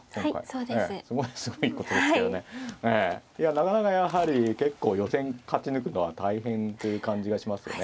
なかなかやはり結構予選勝ち抜くのは大変という感じがしますよね。